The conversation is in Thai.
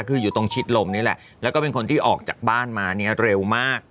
คืออยู่ตรงชิดลมนี่แหละแล้วก็เป็นคนที่ออกจากบ้านมาเนี่ยเร็วมาก